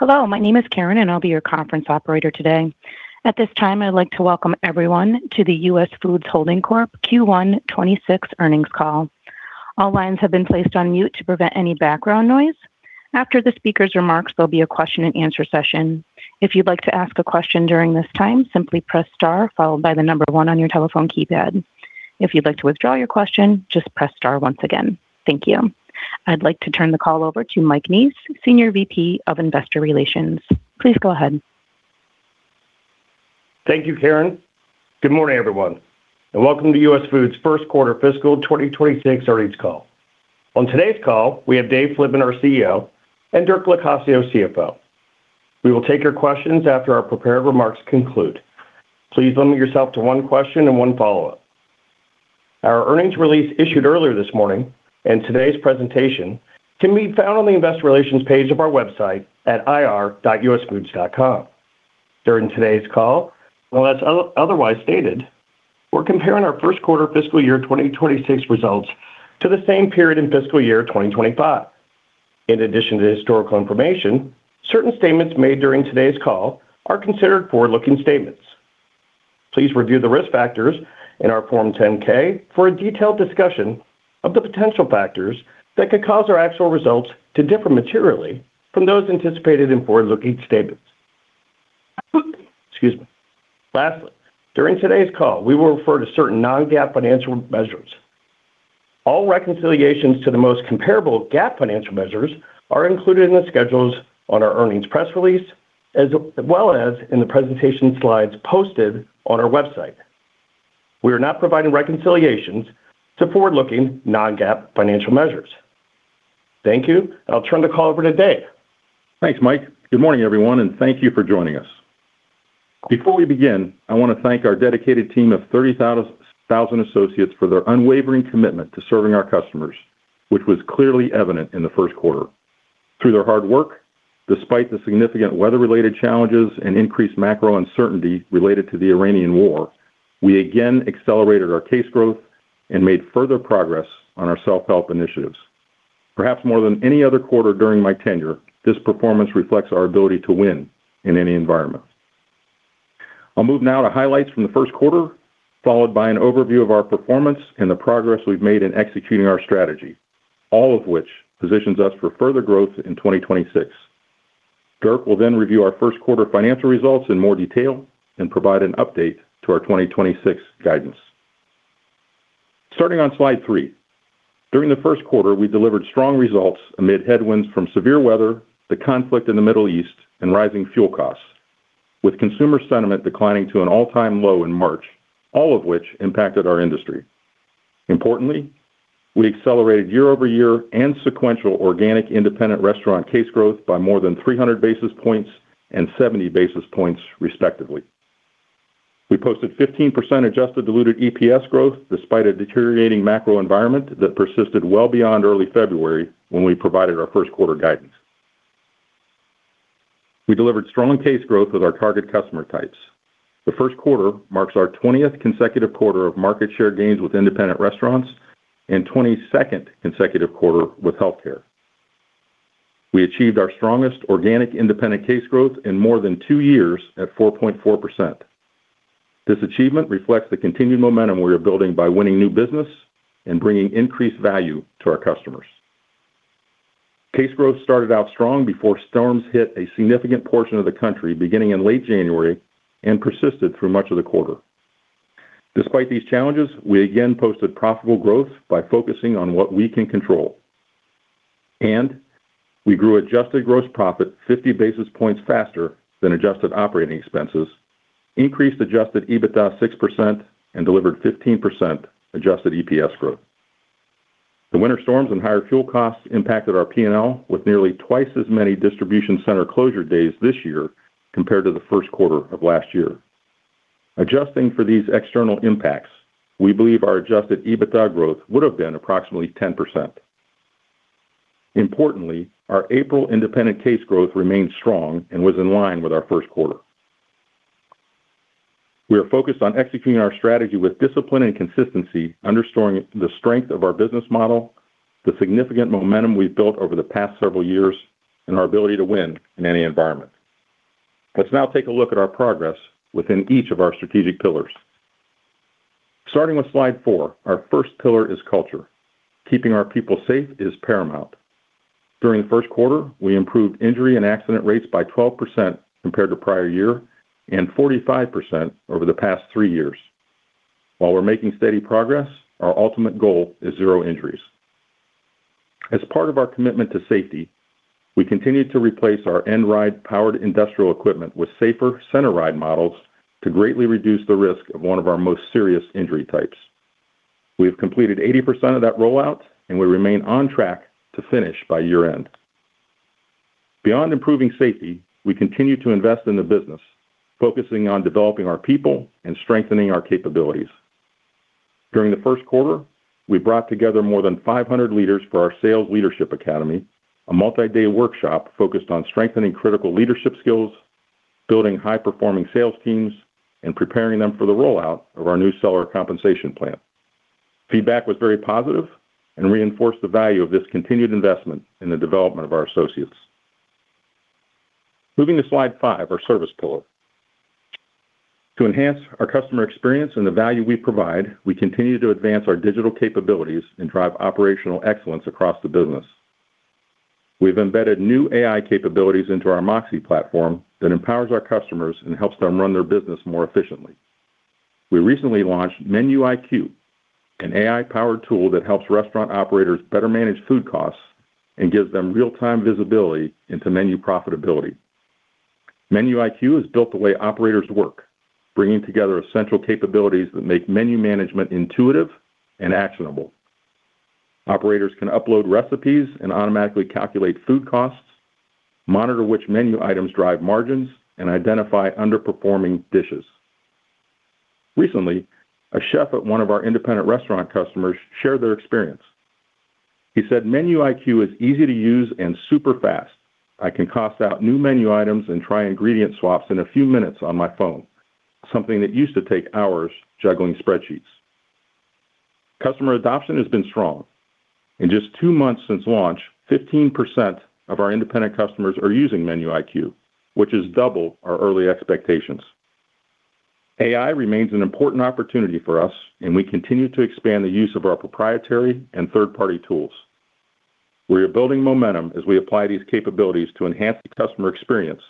Hello, my name is Karen, and I'll be your conference operator today. At this time, I'd like to welcome everyone to the US Foods Holding Corp Q1 2026 earnings call. All lines have been placed on mute to prevent any background noise. After the speaker's remarks, there'll be a question-and-answer session. If you'd like to ask a question during this time, simply press star followed by one on your telephone keypad. If you'd like to withdraw your question, just press star once again. Thank you. I'd like to turn the call over to Michael Neese, Senior VP of Investor Relations. Please go ahead. Thank you, Karen. Good morning, everyone, and welcome to US Foods' first quarter fiscal 2026 earnings call. On today's call, we have Dave Flitman, our CEO, and Dirk Locascio, CFO. We will take your questions after our prepared remarks conclude. Please limit yourself to one question and one follow-up. Our earnings release issued earlier this morning and today's presentation can be found on the investor relations page of our website at ir.usfoods.com. During today's call, unless otherwise stated, we're comparing our first quarter fiscal year 2026 results to the same period in fiscal year 2025. In addition to historical information, certain statements made during today's call are considered forward-looking statements. Please review the risk factors in our Form 10-K for a detailed discussion of the potential factors that could cause our actual results to differ materially from those anticipated in forward-looking statements. Excuse me. Lastly, during today's call, we will refer to certain non-GAAP financial measures. All reconciliations to the most comparable GAAP financial measures are included in the schedules on our earnings press release, as well as in the presentation slides posted on our website. We are not providing reconciliations to forward-looking non-GAAP financial measures. Thank you, and I'll turn the call over to Dave. Thanks, Mike. Good morning, everyone, and thank you for joining us. Before we begin, I want to thank our dedicated team of 30,000 associates for their unwavering commitment to serving our customers, which was clearly evident in the first quarter. Through their hard work, despite the significant weather-related challenges and increased macro uncertainty related to the tariff war, we again accelerated our case growth and made further progress on our self-help initiatives. Perhaps more than any other quarter during my tenure, this performance reflects our ability to win in any environment. I'll move now to highlights from the first quarter, followed by an overview of our performance and the progress we've made in executing our strategy, all of which positions us for further growth in 2026. Dirk will review our first quarter financial results in more detail and provide an update to our 2026 guidance. Starting on slide three. During the first quarter, we delivered strong results amid headwinds from severe weather, the conflict in the Middle East and rising fuel costs, with consumer sentiment declining to an all-time low in March, all of which impacted our industry. Importantly, we accelerated year-over-year and sequential organic independent restaurant case growth by more than 300 basis points and 70 basis points respectively. We posted 15% adjusted diluted EPS growth despite a deteriorating macro environment that persisted well beyond early February when we provided our first quarter guidance. We delivered strong case growth with our target customer types. The first quarter marks our 20th consecutive quarter of market share gains with independent restaurants and 22nd consecutive quarter with healthcare. We achieved our strongest organic independent case growth in more than two years at 4.4%. This achievement reflects the continued momentum we are building by winning new business and bringing increased value to our customers. Case growth started out strong before storms hit a significant portion of the country beginning in late January and persisted through much of the quarter. Despite these challenges, we again posted profitable growth by focusing on what we can control. We grew adjusted gross profit 50 basis points faster than adjusted operating expenses, increased adjusted EBITDA 6%, and delivered 15% adjusted EPS growth. The winter storms and higher fuel costs impacted our P&L with nearly 2 times as many distribution center closure days this year compared to the first quarter of last year. Adjusting for these external impacts, we believe our adjusted EBITDA growth would have been approximately 10%. Importantly, our April independent case growth remained strong and was in line with our first quarter. We are focused on executing our strategy with discipline and consistency, underscoring the strength of our business model, the significant momentum we've built over the past several years, and our ability to win in any environment. Let's now take a look at our progress within each of our strategic pillars. Starting with slide four, our first pillar is culture. Keeping our people safe is paramount. During the first quarter, we improved injury and accident rates by 12% compared to prior year and 45% over the past three years. While we're making steady progress, our ultimate goal is zero injuries. As part of our commitment to safety, we continued to replace our end ride powered industrial equipment with safer center ride models to greatly reduce the risk of one of our most serious injury types. We have completed 80% of that rollout, and we remain on track to finish by year-end. Beyond improving safety, we continue to invest in the business, focusing on developing our people and strengthening our capabilities. During the first quarter, we brought together more than 500 leaders for our Sales Leadership Academy, a multi-day workshop focused on strengthening critical leadership skills, building high-performing sales teams, and preparing them for the rollout of our new seller compensation plan. Feedback was very positive and reinforced the value of this continued investment in the development of our associates. Moving to slide five, our service pillar. To enhance our customer experience and the value we provide, we continue to advance our digital capabilities and drive operational excellence across the business. We've embedded new AI capabilities into our MOXē platform that empowers our customers and helps them run their business more efficiently. We recently launched MenuIQ, an AI-powered tool that helps restaurant operators better manage food costs and gives them real-time visibility into menu profitability. MenuIQ is built the way operators work, bringing together essential capabilities that make menu management intuitive and actionable. Operators can upload recipes and automatically calculate food costs, monitor which menu items drive margins, and identify underperforming dishes. Recently, a chef at one of our independent restaurant customers shared their experience. He said, "MenuIQ is easy to use and super fast. I can cost out new menu items and try ingredient swaps in a few minutes on my phone, something that used to take hours juggling spreadsheets." Customer adoption has been strong. In just two months since launch, 15% of our independent customers are using MenuIQ, which is double our early expectations. AI remains an important opportunity for us, and we continue to expand the use of our proprietary and third-party tools. We are building momentum as we apply these capabilities to enhance the customer experience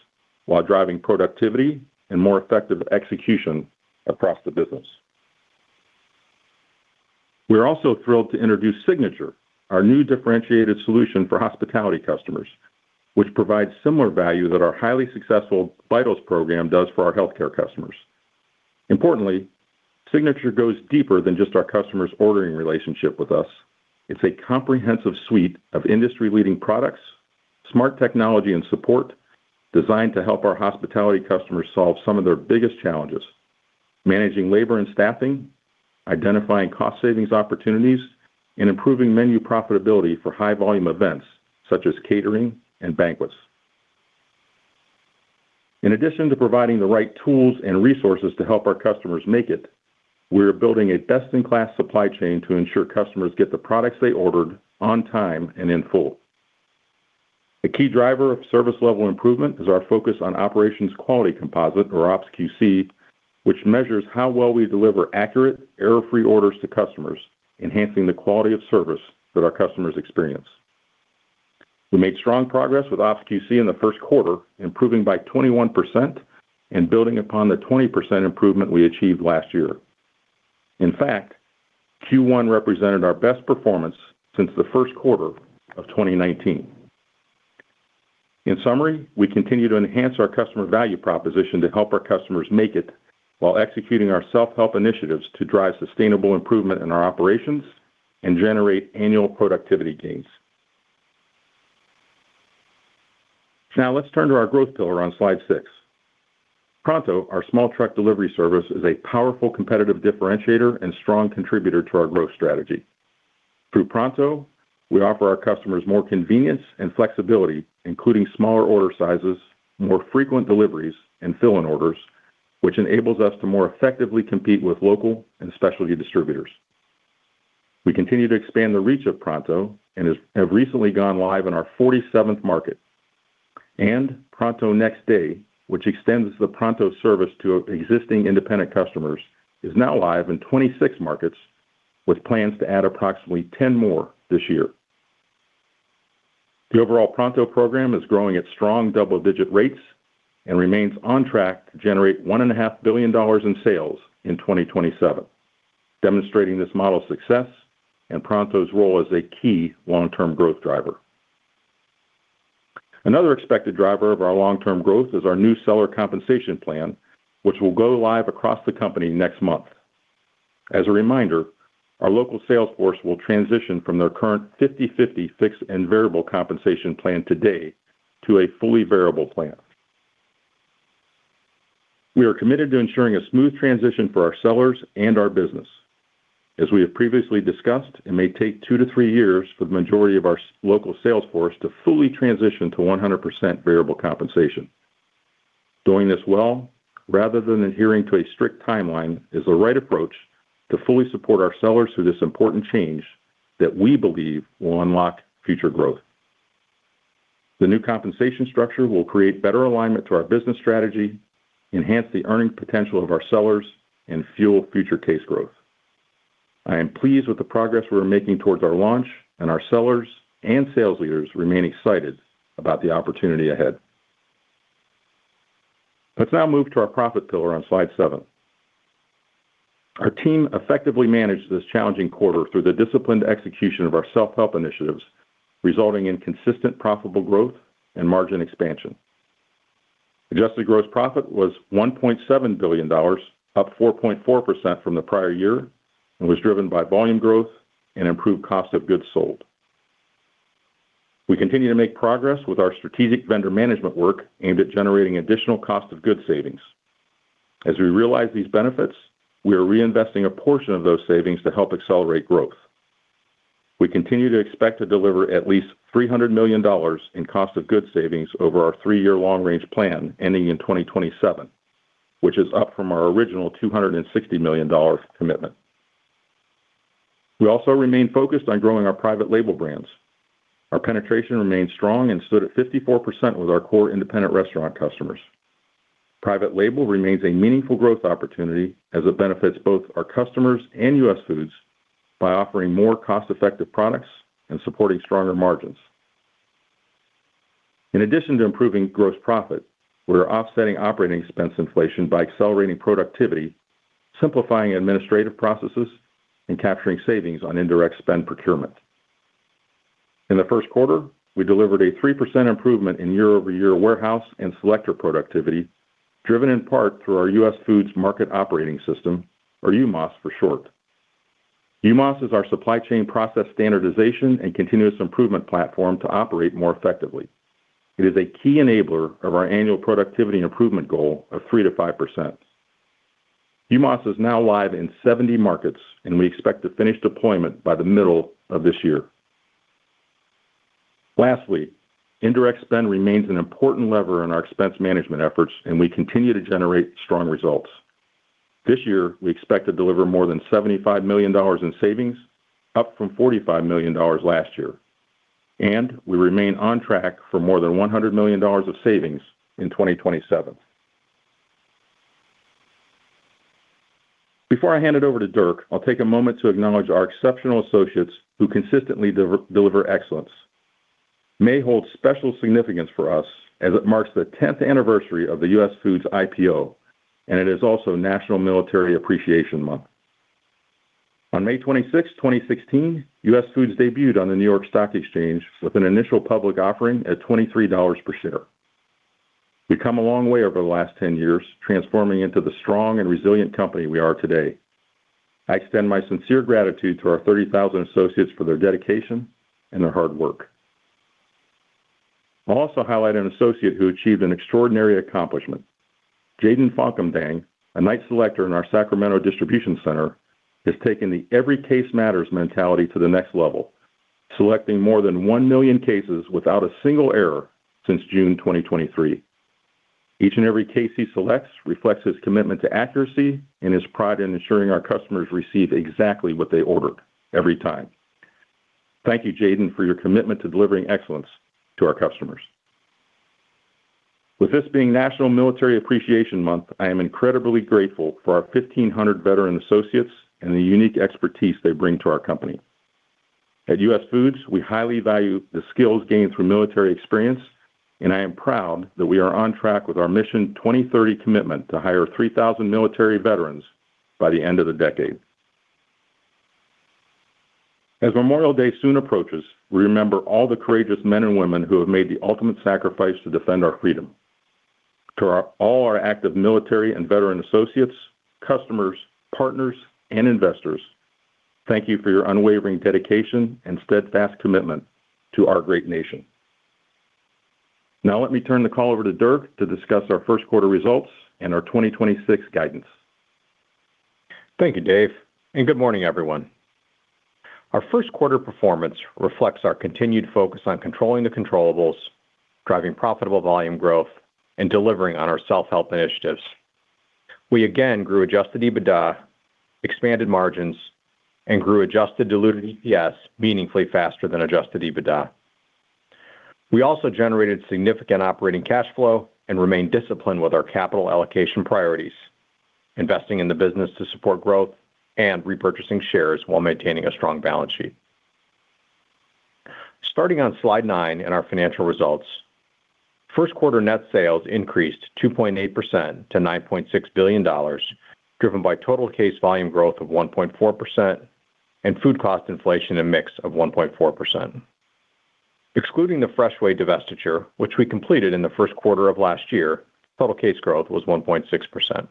while driving productivity and more effective execution across the business. We're also thrilled to introduce SIGNATURE, our new differentiated solution for hospitality customers, which provides similar value that our highly successful VITALS program does for our healthcare customers. Importantly, SIGNATURE goes deeper than just our customers' ordering relationship with us. It's a comprehensive suite of industry-leading products, smart technology, and support designed to help our hospitality customers solve some of their biggest challenges, managing labor and staffing, identifying cost savings opportunities, and improving menu profitability for high-volume events such as catering and banquets. In addition to providing the right tools and resources to help our customers make it, we are building a best-in-class supply chain to ensure customers get the products they ordered on time and in full. A key driver of service level improvement is our focus on operations quality composite, or OpsQC, which measures how well we deliver accurate, error-free orders to customers, enhancing the quality of service that our customers experience. We made strong progress with OpsQC in the first quarter, improving by 21% and building upon the 20% improvement we achieved last year. In fact, Q1 represented our best performance since the first quarter of 2019. In summary, we continue to enhance our customer value proposition to help our customers make it while executing our self-help initiatives to drive sustainable improvement in our operations and generate annual productivity gains. Let's turn to our growth pillar on slide six. Pronto, our small truck delivery service, is a powerful competitive differentiator and strong contributor to our growth strategy. Through Pronto, we offer our customers more convenience and flexibility, including smaller order sizes, more frequent deliveries, and fill-in orders, which enables us to more effectively compete with local and specialty distributors. We continue to expand the reach of Pronto and have recently gone live in our 47th market. Pronto Next Day, which extends the Pronto service to existing independent customers, is now live in 26 markets with plans to add approximately 10 more this year. The overall Pronto program is growing at strong double-digit rates and remains on track to generate $1.5 billion in sales in 2027, demonstrating this model's success and Pronto's role as a key long-term growth driver. Another expected driver of our long-term growth is our new seller compensation plan, which will go live across the company next month. As a reminder, our local sales force will transition from their current 50-50 fixed and variable compensation plan today to a fully variable plan. We are committed to ensuring a smooth transition for our sellers and our business. As we have previously discussed, it may take 2 to 3 years for the majority of our local sales force to fully transition to 100% variable compensation. Doing this well rather than adhering to a strict timeline is the right approach to fully support our sellers through this important change that we believe will unlock future growth. The new compensation structure will create better alignment to our business strategy, enhance the earning potential of our sellers, and fuel future case growth. I am pleased with the progress we are making towards our launch, and our sellers and sales leaders remain excited about the opportunity ahead. Let's now move to our Profit Pillar on slide seven. Our team effectively managed this challenging quarter through the disciplined execution of our Self-Help Initiatives, resulting in consistent profitable growth and margin expansion. Adjusted gross profit was $1.7 billion, up 4.4% from the prior year, and was driven by volume growth and improved cost of goods sold. We continue to make progress with our Strategic Vendor Management Work aimed at generating additional cost of goods savings. As we realize these benefits, we are reinvesting a portion of those savings to help accelerate growth. We continue to expect to deliver at least $300 million in cost of goods savings over our three-year long-range plan ending in 2027, which is up from our original $260 million commitment. We also remain focused on growing our private label brands. Our penetration remains strong and stood at 54% with our core independent restaurant customers. Private label remains a meaningful growth opportunity as it benefits both our customers and US Foods by offering more cost-effective products and supporting stronger margins. In addition to improving gross profit, we are offsetting operating expense inflation by accelerating productivity, simplifying administrative processes and capturing savings on indirect spend procurement. In the first quarter, we delivered a 3% improvement in year-over-year warehouse and selector productivity, driven in part through our US Foods Market Operating System, or UMOS for short. UMOS is our supply chain process standardization and continuous improvement platform to operate more effectively. It is a key enabler of our annual productivity improvement goal of 3%-5%. UMOS is now live in 70 markets, and we expect to finish deployment by the middle of this year. Lastly, indirect spend remains an important lever in our expense management efforts, and we continue to generate strong results. This year, we expect to deliver more than $75 million in savings, up from $45 million last year, and we remain on track for more than $100 million of savings in 2027. Before I hand it over to Dirk, I'll take a moment to acknowledge our exceptional associates who consistently deliver excellence. May holds special significance for us as it marks the 10th anniversary of the US Foods IPO, and it is also National Military Appreciation Month. On May 26, 2016, US Foods debuted on the New York Stock Exchange with an initial public offering at $23 per share. We've come a long way over the last 10 years, transforming into the strong and resilient company we are today. I extend my sincere gratitude to our 30,000 associates for their dedication and their hard work. I'll also highlight an associate who achieved an extraordinary accomplishment. Jaden Fonkem Tang, a night selector in our Sacramento Distribution Center, has taken the every case matters mentality to the next level, selecting more than 1 million cases without a single error since June 2023. Each and every case he selects reflects his commitment to accuracy and his pride in ensuring our customers receive exactly what they ordered every time. Thank you, Jaden, for your commitment to delivering excellence to our customers. With this being National Military Appreciation Month, I am incredibly grateful for our 1,500 veteran associates and the unique expertise they bring to our company. At US Foods, we highly value the skills gained through military experience, and I am proud that we are on track with our Mission Twenty Thirty commitment to hire 3,000 military veterans by the end of the decade. As Memorial Day soon approaches, we remember all the courageous men and women who have made the ultimate sacrifice to defend our freedom. To all our active military and veteran associates, customers, partners, and investors, thank you for your unwavering dedication and steadfast commitment to our great nation. Now let me turn the call over to Dirk to discuss our first quarter results and our 2026 guidance. Thank you, Dave, and good morning, everyone. Our first quarter performance reflects our continued focus on controlling the controllables, driving profitable volume growth, and delivering on our self-help initiatives. We again grew adjusted EBITDA, expanded margins, and grew adjusted diluted EPS meaningfully faster than adjusted EBITDA. We also generated significant operating cash flow and remained disciplined with our capital allocation priorities, investing in the business to support growth and repurchasing shares while maintaining a strong balance sheet. Starting on slide nine in our financial results, first quarter net sales increased 2.8% to $9.6 billion, driven by total case volume growth of 1.4% and food cost inflation and mix of 1.4%. Excluding the Freshway divestiture, which we completed in the first quarter of last year, total case growth was 1.6%.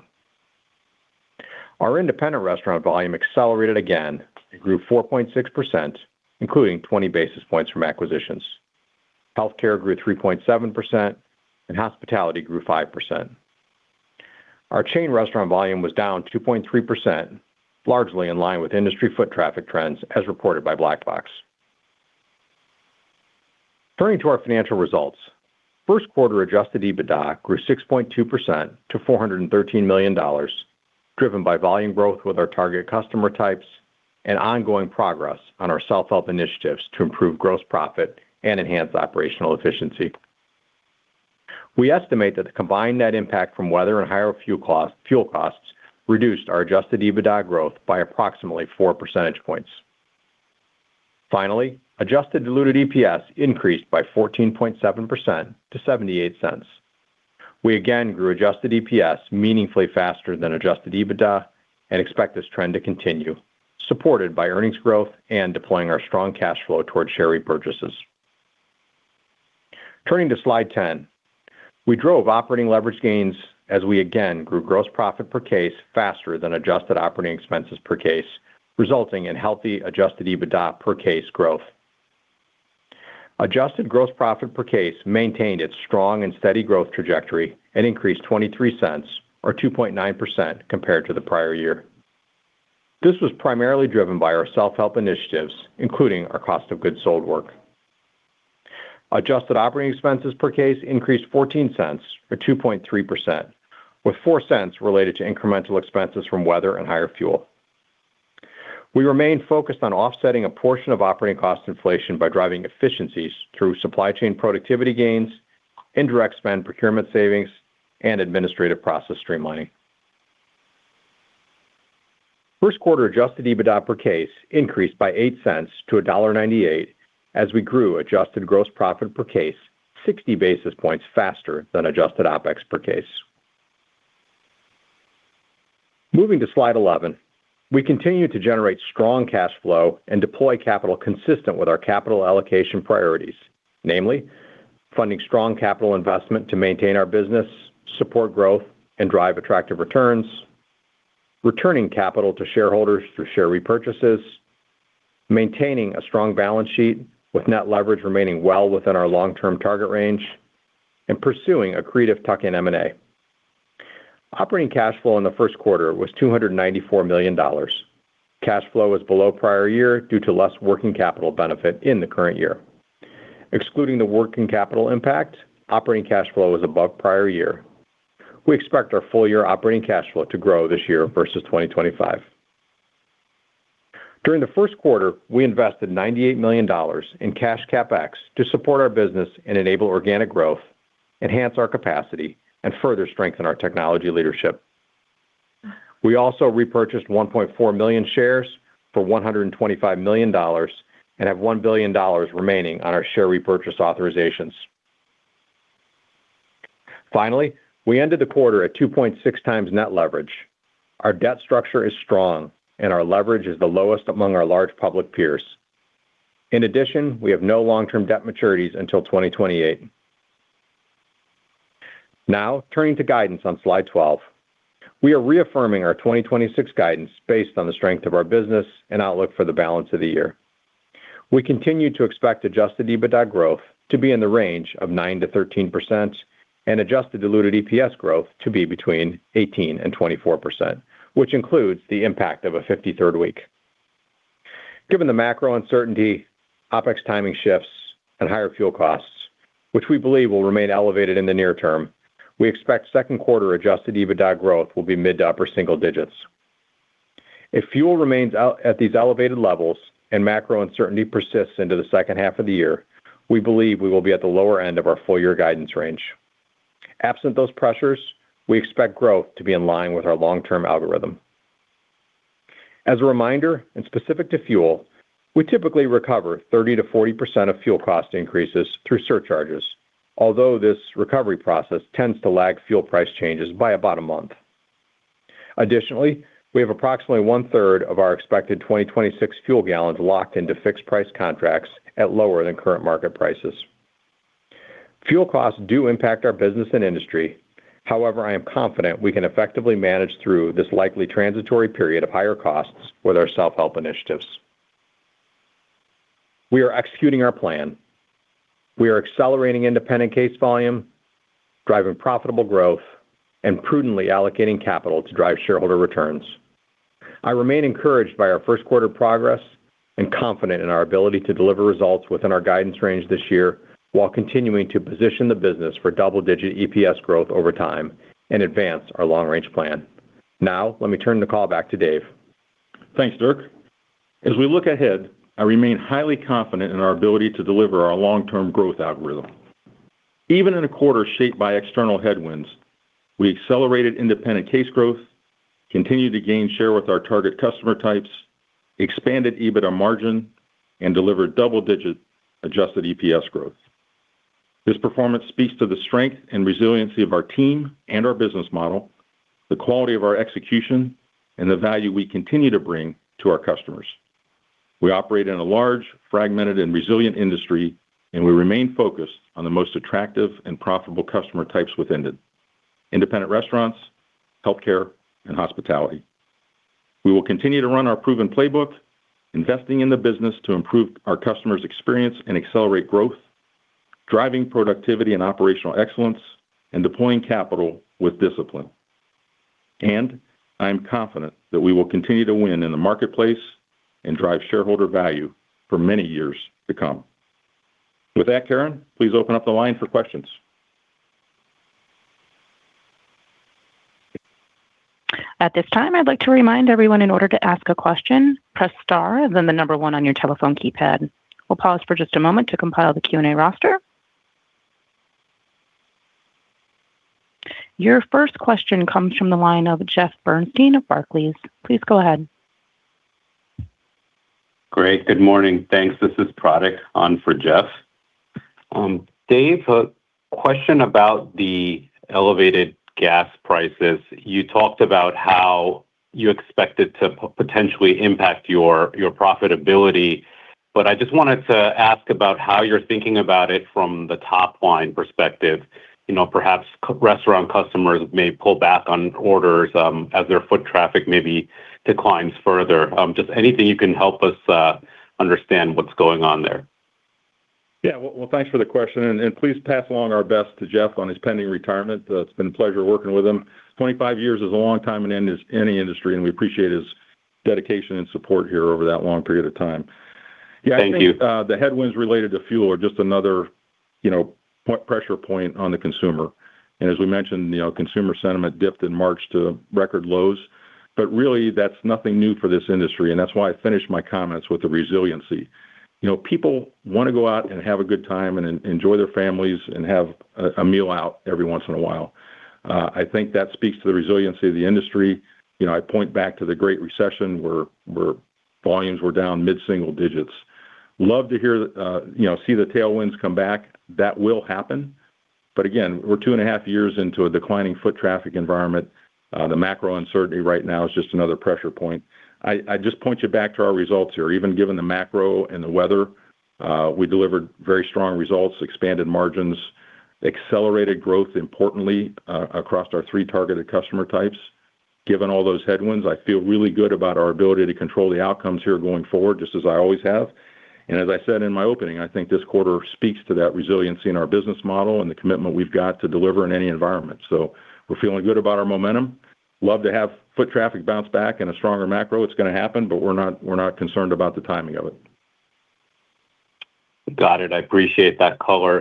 Our independent restaurant volume accelerated again. It grew 4.6%, including 20 basis points from acquisitions. Healthcare grew 3.7%, and hospitality grew 5%. Our chain restaurant volume was down 2.3%, largely in line with industry foot traffic trends as reported by Black Box. Turning to our financial results, first quarter adjusted EBITDA grew 6.2% to $413 million, driven by volume growth with our target customer types and ongoing progress on our self-help initiatives to improve gross profit and enhance operational efficiency. We estimate that the combined net impact from weather and higher fuel costs reduced our adjusted EBITDA growth by approximately 4 percentage points. Finally, adjusted diluted EPS increased by 14.7% to $0.78. We again grew adjusted EPS meaningfully faster than adjusted EBITDA and expect this trend to continue, supported by earnings growth and deploying our strong cash flow towards share repurchases. Turning to slide 10, we drove operating leverage gains as we again grew gross profit per case faster than adjusted operating expenses per case, resulting in healthy adjusted EBITDA per case growth. Adjusted gross profit per case maintained its strong and steady growth trajectory and increased $0.23 or 2.9% compared to the prior year. This was primarily driven by our self-help initiatives, including our cost of goods sold work. Adjusted operating expenses per case increased $0.14 or 2.3%, with $0.04 related to incremental expenses from weather and higher fuel. We remain focused on offsetting a portion of operating cost inflation by driving efficiencies through supply chain productivity gains, indirect spend procurement savings, and administrative process streamlining. First quarter adjusted EBITDA per case increased by $0.08-$1.98 as we grew adjusted gross profit per case 60 basis points faster than adjusted OpEx per case. Moving to slide 11. We continue to generate strong cash flow and deploy capital consistent with our capital allocation priorities, namely funding strong capital investment to maintain our business, support growth, and drive attractive returns, returning capital to shareholders through share repurchases, maintaining a strong balance sheet with net leverage remaining well within our long-term target range, and pursuing accretive tuck-in M&A. Operating cash flow in the first quarter was $294 million. Cash flow was below prior year due to less working capital benefit in the current year. Excluding the working capital impact, operating cash flow was above prior year. We expect our full year operating cash flow to grow this year versus 2025. During the first quarter, we invested $98 million in cash CapEx to support our business and enable organic growth, enhance our capacity, and further strengthen our technology leadership. We also repurchased 1.4 million shares for $125 million and have $1 billion remaining on our share repurchase authorizations. Finally, we ended the quarter at 2.6x net leverage. Our debt structure is strong, and our leverage is the lowest among our large public peers. In addition, we have no long-term debt maturities until 2028. Now, turning to guidance on slide 12. We are reaffirming our 2026 guidance based on the strength of our business and outlook for the balance of the year. We continue to expect adjusted EBITDA growth to be in the range of 9%-13% and adjusted diluted EPS growth to be between 18% and 24%, which includes the impact of a 53rd week. Given the macro uncertainty, OpEx timing shifts, and higher fuel costs, which we believe will remain elevated in the near term, we expect second quarter adjusted EBITDA growth will be mid to upper single digits. If fuel remains out at these elevated levels and macro uncertainty persists into the second half of the year, we believe we will be at the lower end of our full year guidance range. Absent those pressures, we expect growth to be in line with our long-term algorithm. As a reminder and specific to fuel, we typically recover 30%-40% of fuel cost increases through surcharges. Although this recovery process tends to lag fuel price changes by about a month. Additionally, we have approximately one-third of our expected 2026 fuel gallons locked into fixed price contracts at lower than current market prices. Fuel costs do impact our business and industry. However, I am confident we can effectively manage through this likely transitory period of higher costs with our self-help initiatives. We are executing our plan. We are accelerating independent case volume, driving profitable growth, and prudently allocating capital to drive shareholder returns. I remain encouraged by our first quarter progress and confident in our ability to deliver results within our guidance range this year while continuing to position the business for double-digit EPS growth over time and advance our long-range plan. Now, let me turn the call back to Dave. Thanks, Dirk. As we look ahead, I remain highly confident in our ability to deliver our long-term growth algorithm. Even in a quarter shaped by external headwinds, we accelerated independent case growth, continued to gain share with our target customer types, expanded EBITDA margin, and delivered double-digit adjusted EPS growth. This performance speaks to the strength and resiliency of our team and our business model, the quality of our execution, and the value we continue to bring to our customers. We operate in a large, fragmented, and resilient industry. We remain focused on the most attractive and profitable customer types within it: independent restaurants, healthcare, and hospitality. We will continue to run our proven playbook, investing in the business to improve our customers' experience and accelerate growth, driving productivity and operational excellence, and deploying capital with discipline. I am confident that we will continue to win in the marketplace and drive shareholder value for many years to come. With that, Karen, please open up the line for questions. At this time, I'd like to remind everyone in order to ask a question, press star, then the number 1 on your telephone keypad. We'll pause for just a moment to compile the Q&A roster. Your first question comes from the line of Jeffrey Bernstein of Barclays. Please go ahead. Great. Good morning. Thanks. This is Pratik on for Jeff. Dave, a question about the elevated gas prices. You talked about how you expect it to potentially impact your profitability, but I just wanted to ask about how you're thinking about it from the top line perspective. You know, perhaps restaurant customers may pull back on orders, as their foot traffic maybe declines further. Just anything you can help us understand what's going on there. Yeah. Well thanks for the question, and please pass along our best to Jeff on his pending retirement. It's been a pleasure working with him. 25 years is a long time in any industry, and we appreciate his dedication and support here over that long period of time. Yeah. Thank you. I think, the headwinds related to fuel are just another, you know, pressure point on the consumer. As we mentioned, you know, consumer sentiment dipped in March to record lows, but really that's nothing new for this industry, and that's why I finished my comments with the resiliency. You know, people wanna go out and have a good time and enjoy their families and have a meal out every once in a while. I think that speaks to the resiliency of the industry. You know, I point back to the Great Recession where volumes were down mid-single digits. Love to hear, you know, see the tailwinds come back. That will happen but again, we're 2.5 years into a declining foot traffic environment. The macro uncertainty right now is just another pressure point. I just point you back to our results here. Even given the macro and the weather, we delivered very strong results, expanded margins, accelerated growth, importantly, across our three targeted customer types. Given all those headwinds, I feel really good about our ability to control the outcomes here going forward, just as I always have. As I said in my opening, I think this quarter speaks to that resiliency in our business model and the commitment we've got to deliver in any environment. We're feeling good about our momentum. Love to have foot traffic bounce back and a stronger macro. It's gonna happen, but we're not concerned about the timing of it. Got it. I appreciate that color.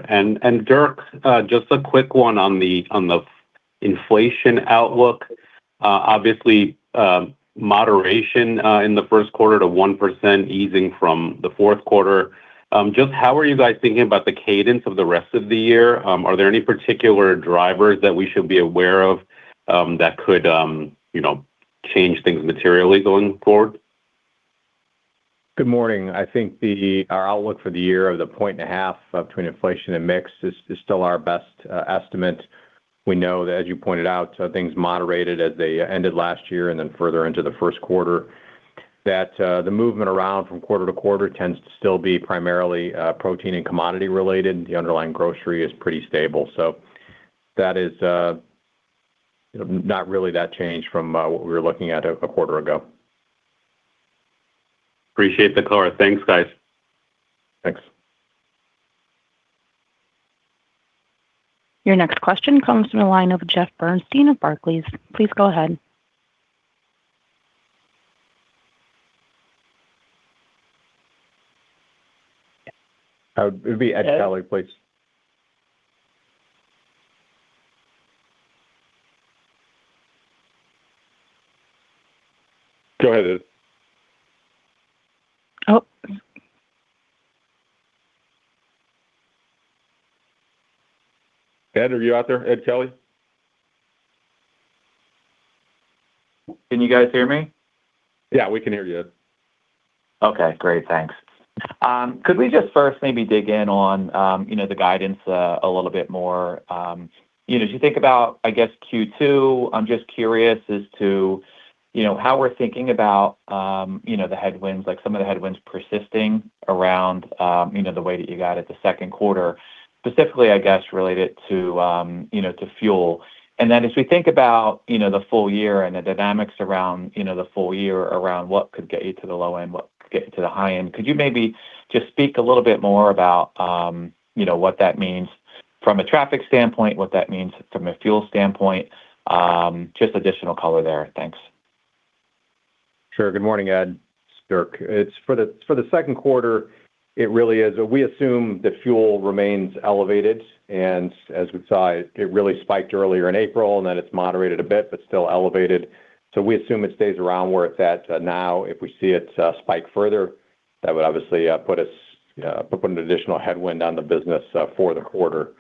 Dirk, just a quick one on the inflation outlook. Obviously, moderation in the first quarter to 1% easing from the fourth quarter. Just how are you guys thinking about the cadence of the rest of the year? Are there any particular drivers that we should be aware of, that could, you know, change things materially going forward? Good morning. I think the, our outlook for the year of the 1.5 between inflation and mix is still our best estimate. We know that as you pointed out, things moderated as they ended last year and then further into the first quarter, that the movement around from quarter to quarter tends to still be primarily protein and commodity related. The underlying grocery is pretty stable. That is not really that changed from what we were looking at a quarter ago. Appreciate the color. Thanks, guys. Thanks. Your next question comes from the line of Jeffrey Bernstein of Barclays. Please go ahead. It'd be Ed Kelly, please. Ed. Oh. Ed, are you out there? Ed Kelly? Can you guys hear me? Yeah, we can hear you, Ed. Okay, great. Thanks. Could we just first maybe dig in on the guidance a little bit more? As you think about, I guess Q2, I'm just curious as to how we're thinking about the headwinds, like some of the headwinds persisting around the way that you got at the second quarter, specifically, I guess, related to fuel. As we think about the full year and the dynamics around the full year around what could get you to the low end, what could get you to the high end, could you maybe just speak a little bit more about what that means from a traffic standpoint, what that means from a fuel standpoint? Just additional color there. Thanks. Sure. Good morning, Ed. It's Dirk. For the second quarter, it really is, we assume that fuel remains elevated, and as we saw, it really spiked earlier in April, and then it's moderated a bit, but still elevated. We assume it stays around where it's at now. If we see it spike further, that would obviously put an additional headwind on the business for the quarter.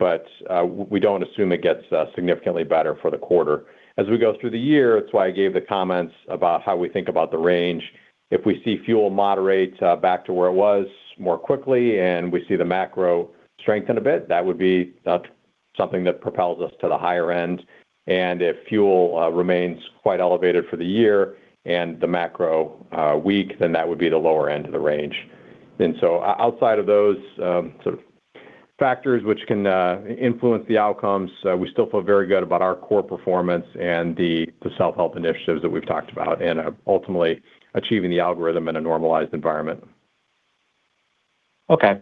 We don't assume it gets significantly better for the quarter. As we go through the year, it's why I gave the comments about how we think about the range. If we see fuel moderate back to where it was more quickly and we see the macro strengthen a bit, that's something that propels us to the higher end. If fuel remains quite elevated for the year and the macro weak, then that would be the lower end of the range. Outside of those sort of factors which can influence the outcomes, we still feel very good about our core performance and the self-help initiatives that we've talked about and ultimately achieving the algorithm in a normalized environment. Okay.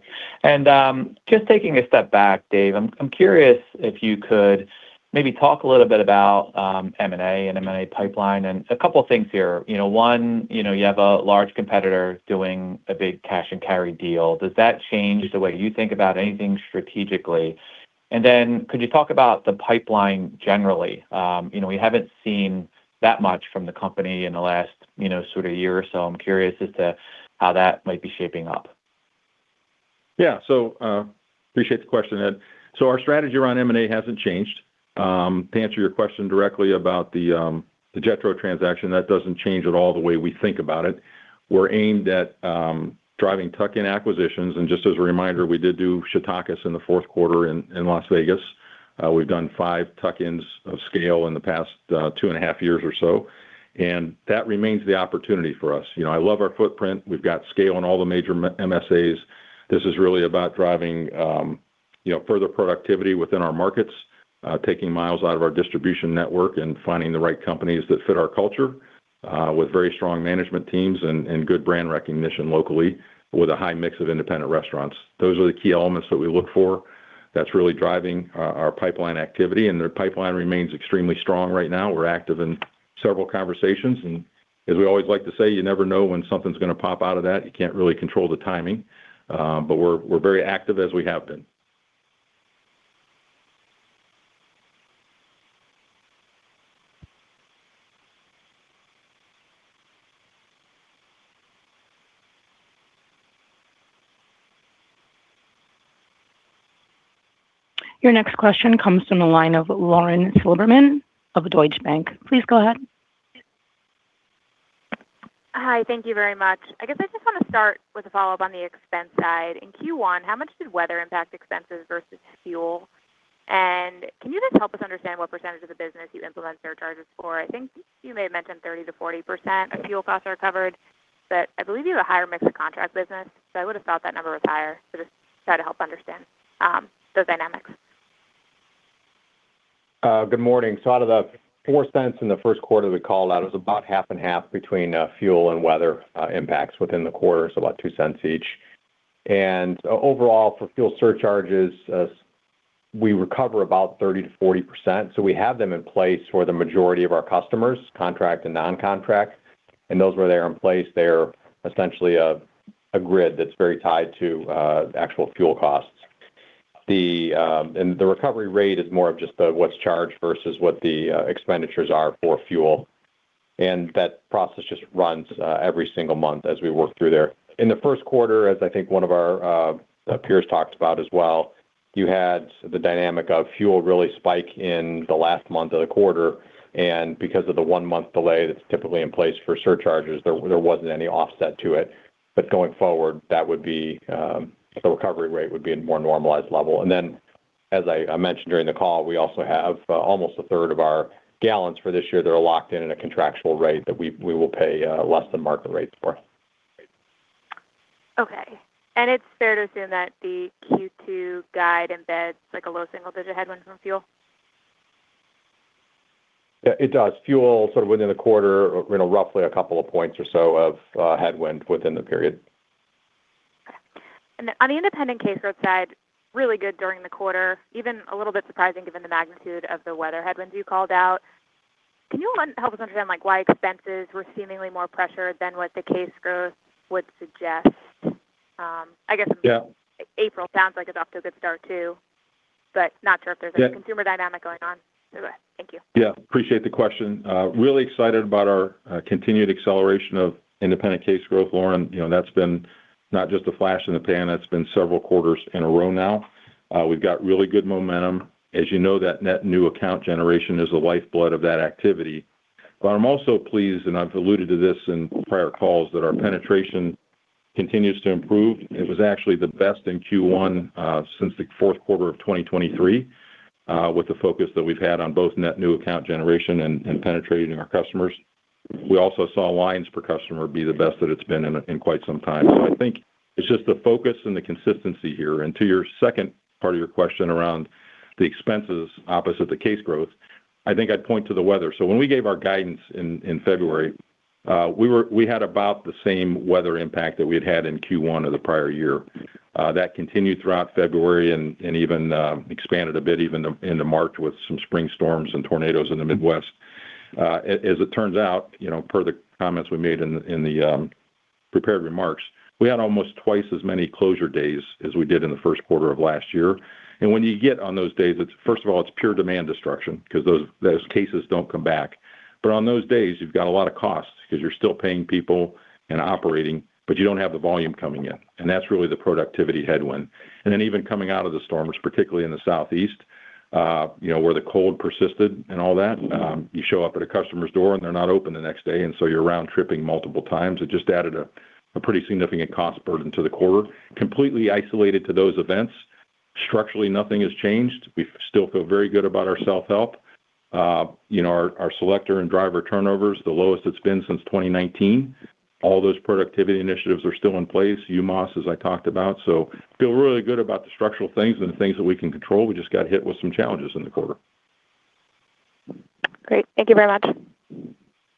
Just taking a step back, Dave, I'm curious if you could maybe talk a little bit about M&A and M&A pipeline, and a couple things here. You know, one, you know, you have a large competitor doing a big cash and carry deal. Does that change the way you think about anything strategically? Could you talk about the pipeline generally? You know, we haven't seen that much from the company in the last, you know, sort of year or so. I'm curious as to how that might be shaping up. Yeah. Appreciate the question, Ed. Our strategy around M&A hasn't changed. To answer your question directly about the Jetro transaction, that doesn't change at all the way we think about it. We're aimed at driving tuck-in acquisitions, and just as a reminder, we did do Chautauquas in the fourth quarter in Las Vegas. We've done five tuck-ins of scale in the past 2.5 years or so, and that remains the opportunity for us. You know, I love our footprint. We've got scale in all the major MSAs. This is really about driving, you know, further productivity within our markets, taking miles out of our distribution network and finding the right companies that fit our culture, with very strong management teams and good brand recognition locally with a high mix of independent restaurants. Those are the key elements that we look for that's really driving our pipeline activity. Their pipeline remains extremely strong right now. We're active in several conversations. As we always like to say, you never know when something's gonna pop out of that. You can't really control the timing, but we're very active as we have been. Your next question comes from the line of Lauren Silberman of Deutsche Bank. Please go ahead. Hi. Thank you very much. I guess I just want to start with a follow-up on the expense side. In Q1, how much did weather impact expenses versus fuel? Can you just help us understand what % of the business you implement surcharges for? I think you may have mentioned 30%-40% of fuel costs are covered, but I believe you have a higher mix of contract business, so I would've thought that number was higher. Just try to help understand those dynamics. Good morning. Out of the $0.04 in the 1st quarter we called out, it was about half and half between fuel and weather impacts within the quarter, so about $0.02 each. Overall, for fuel surcharges, we recover about 30%-40%. We have them in place for the majority of our customers, contract and non-contract. Those where they're in place, they're essentially a grid that's very tied to actual fuel costs. The recovery rate is more of just the what's charged versus what the expenditures are for fuel. That process just runs every single month as we work through there. In the 1st quarter, as I think one of our peers talked about as well, you had the dynamic of fuel really spike in the last month of the quarter. Because of the one-month delay that's typically in place for surcharges, there wasn't any offset to it. Going forward, that would be the recovery rate would be in more normalized level. Then, as I mentioned during the call, we also have almost 1/3 of our gallons for this year that are locked in at a contractual rate that we will pay less than market rates for. Okay. It's fair to assume that the Q2 guide embeds like a low single-digit headwind from fuel? Yeah, it does. Fuel sort of within the quarter, you know, roughly a couple of points or so of headwind within the period. Okay. On the independent case growth side, really good during the quarter, even a little bit surprising given the magnitude of the weather headwinds you called out. Can you help us understand like why expenses were seemingly more pressured than what the case growth would suggest? Yeah April sounds like it's off to a good start too. Not sure if there's any. Yeah consumer dynamic going on. All right. Thank you. Yeah. Appreciate the question. Really excited about our continued acceleration of independent case growth, Lauren. You know, that's been not just a flash in the pan. That's been several quarters in a row now. We've got really good momentum. As you know, that net new account generation is the lifeblood of that activity. I'm also pleased, and I've alluded to this in prior calls, that our penetration continues to improve. It was actually the best in Q1 since the fourth quarter of 2023 with the focus that we've had on both net new account generation and penetrating our customers. We also saw lines per customer be the best that it's been in quite some time. I think it's just the focus and the consistency here. To your second part of your question around the expenses opposite the case growth, I'd point to the weather. When we gave our guidance in February, we had about the same weather impact that we'd had in Q1 of the prior year. That continued throughout February and even expanded a bit even into March with some spring storms and tornadoes in the Midwest. As it turns out, you know, per the comments we made in the prepared remarks, we had almost twice as many closure days as we did in the first quarter of last year. When you get on those days, first of all, it's pure demand destruction because those cases don't come back. On those days, you've got a lot of costs because you're still paying people and operating, but you don't have the volume coming in. That's really the productivity headwind. Even coming out of the storms, particularly in the southeast, you know, where the cold persisted and all that, you show up at a customer's door, and they're not open the next day, you're around tripping multiple times. It just added a pretty significant cost burden to the quarter. Completely isolated to those events. Structurally, nothing has changed. We still feel very good about our self-help. You know, our selector and driver turnover is the lowest it's been since 2019. All those productivity initiatives are still in place, UMOS, as I talked about. Feel really good about the structural things and the things that we can control. We just got hit with some challenges in the quarter. Great. Thank you very much.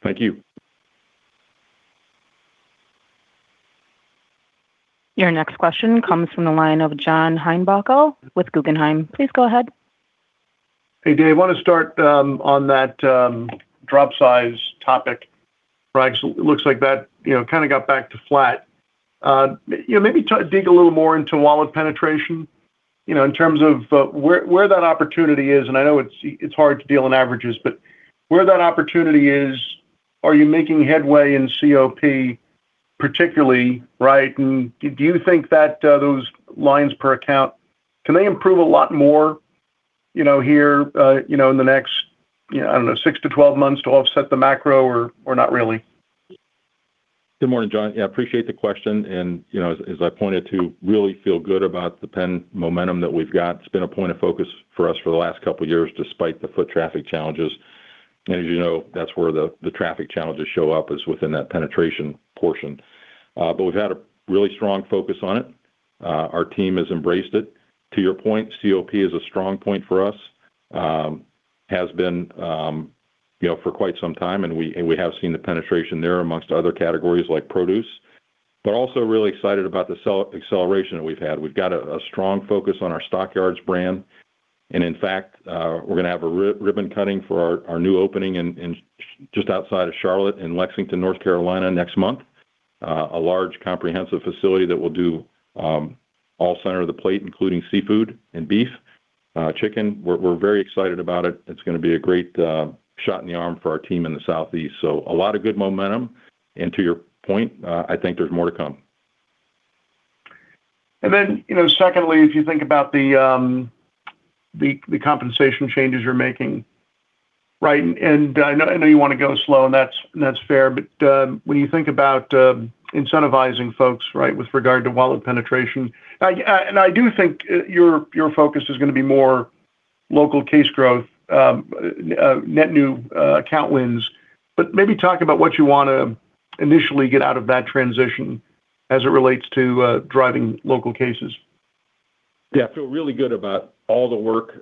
Thank you. Your next question comes from the line of John Heinbockel with Guggenheim. Please go ahead. Hey, Dave. I wanna start on that drop size topic. Right. It looks like that, you know, kinda got back to flat. You know, maybe try to dig a little more into wallet penetration, you know, in terms of where that opportunity is. I know it's hard to deal in averages, but where that opportunity is, are you making headway in COP particularly, right? Do you think that those lines per account, can they improve a lot more, you know, here, you know, in the next, you know, I don't know, 6 to 12 months to offset the macro or not really? Good morning, John. Yeah, appreciate the question. You know, as I pointed to, really feel good about the pen momentum that we've got. It's been a point of focus for us for the last couple years despite the foot traffic challenges. As you know, that's where the traffic challenges show up is within that penetration portion. We've had a really strong focus on it. Our team has embraced it. To your point, COP is a strong point for us, has been, you know, for quite some time, and we, and we have seen the penetration there amongst other categories like produce. Also really excited about the acceleration that we've had. We've got a strong focus on our Stock Yards brand. In fact, we're gonna have a ribbon cutting for our new opening in just outside of Charlotte in Lexington, North Carolina next month. A large comprehensive facility that will do all center of the plate, including seafood and beef, chicken. We're very excited about it. It's gonna be a great shot in the arm for our team in the southeast. A lot of good momentum. To your point, I think there's more to come. You know, secondly, if you think about the compensation changes you're making, right? I know you want to go slow, and that's fair. When you think about incentivizing folks, right, with regard to wallet penetration, I do think your focus is gonna be more local case growth, net new account wins. Maybe talk about what you want to initially get out of that transition as it relates to driving local cases. Yeah, I feel really good about all the work,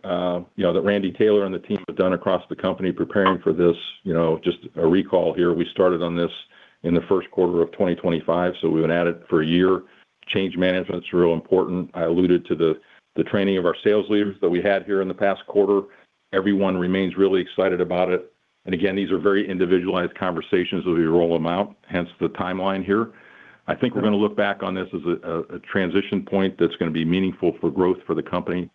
you know, that Randy Taylor and the team have done across the company preparing for this. You know, just a recall here, we started on this in the first quarter of 2025, so we've been at it for a year. Change management's real important. I alluded to the training of our sales leaders that we had here in the past quarter. Everyone remains really excited about it. Again, these are very individualized conversations as we roll them out, hence the timeline here. I think we're gonna look back on this as a transition point that's gonna be meaningful for growth for the company.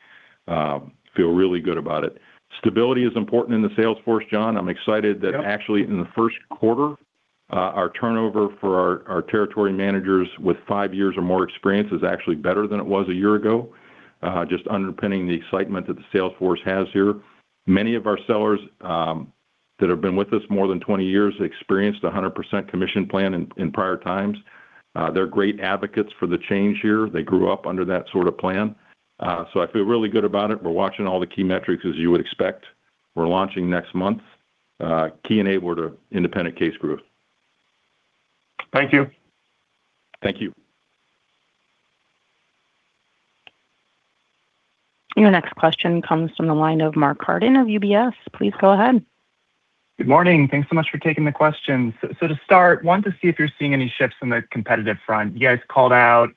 Feel really good about it. Stability is important in the sales force, John. I'm excited that actually in the first quarter, our turnover for our territory managers with five years or more experience is actually better than it was a year ago, just underpinning the excitement that the sales force has here. Many of our sellers that have been with us more than 20 years experienced a 100% commission plan in prior times. They're great advocates for the change here. They grew up under that sort of plan. I feel really good about it. We're watching all the key metrics as you would expect. We're launching next month. Key enabler to independent case growth. Thank you. Thank you. Your next question comes from the line of Mark Carden of UBS. Please go ahead. Good morning. Thanks so much for taking the questions. To start, wanted to see if you're seeing any shifts in the competitive front. You guys called out,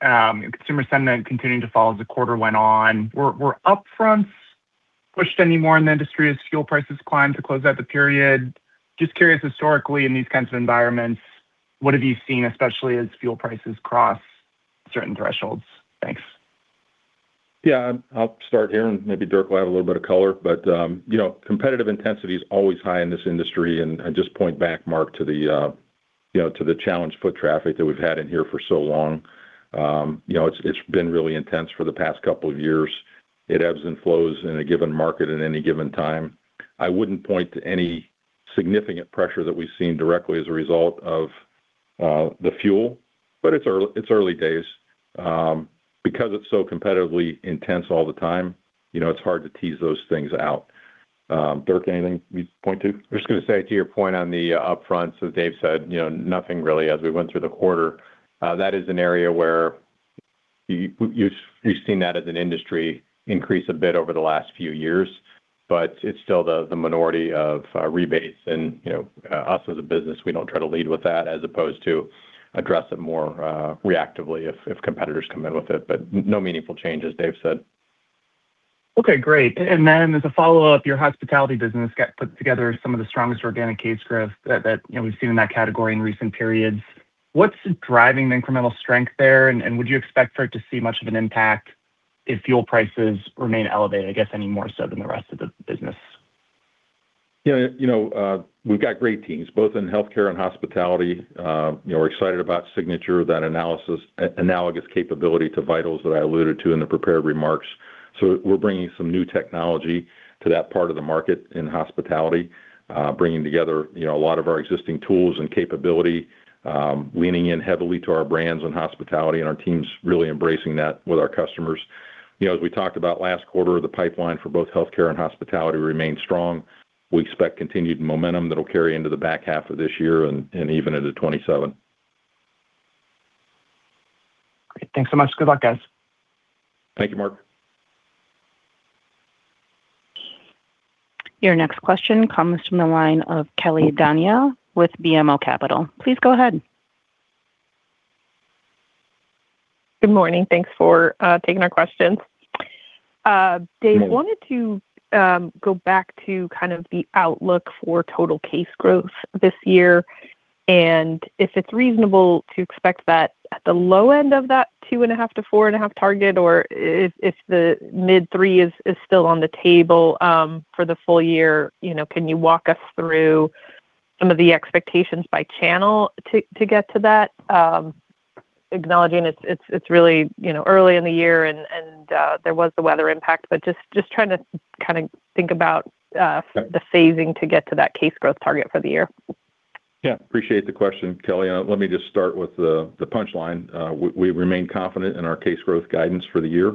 consumer sentiment continuing to fall as the quarter went on. Were up-fronts pushed any more in the industry as fuel prices climbed to close out the period? Just curious historically in these kinds of environments, what have you seen, especially as fuel prices cross certain thresholds? Thanks. Yeah. I'll start here. Maybe Dirk will add a little bit of color. Competitive intensity is always high in this industry. I just point back, Mark, to the, you know, to the challenged foot traffic that we've had in here for so long. You know, it's been really intense for the past two years. It ebbs and flows in a given market at any given time. I wouldn't point to any significant pressure that we've seen directly as a result of the fuel, but it's early days. Because it's so competitively intense all the time, you know, it's hard to tease those things out. Dirk, anything you'd point to? I'm just gonna say to your point on the up-front, Dave said, you know, nothing really as we went through the quarter. That is an area where you've seen that as an industry increase a bit over the last few years, but it's still the minority of rebates. You know, us as a business, we don't try to lead with that as opposed to address it more reactively if competitors come in with it. No meaningful changes, Dave said. Okay, great. Then as a follow-up, your hospitality business got put together some of the strongest organic case growth that, you know, we've seen in that category in recent periods. What's driving the incremental strength there, and would you expect for it to see much of an impact if fuel prices remain elevated, I guess, any more so than the rest of the business? You know, we've got great teams, both in healthcare and hospitality. You know, we're excited about SIGNATURE, that analogous capability to VITALS that I alluded to in the prepared remarks. We're bringing some new technology to that part of the market in hospitality, bringing together, you know, a lot of our existing tools and capability, leaning in heavily to our brands and hospitality, and our team's really embracing that with our customers. You know, as we talked about last quarter, the pipeline for both healthcare and hospitality remains strong. We expect continued momentum that'll carry into the back half of this year and even into 2027. Great. Thanks so much. Good luck, guys. Thank you, Mark. Your next question comes from the line of Kelly Bania with BMO Capital. Please go ahead. Good morning. Thanks for taking our questions. You bet. Dave, wanted to go back to kind of the outlook for total case growth this year, and if it's reasonable to expect that at the low end of that 2.5% to 4.5% target, or if the mid 3% is still on the table for the full year. You know, can you walk us through some of the expectations by channel to get to that? Acknowledging it's really, you know, early in the year and there was the weather impact, but trying to kind of think about. Sure the phasing to get to that case growth target for the year. Appreciate the question, Kelly. Let me just start with the punchline. We remain confident in our case growth guidance for the year.